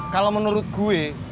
kalau menurut gua